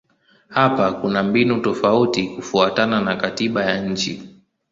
Hapa kuna mbinu tofauti kufuatana na katiba ya nchi.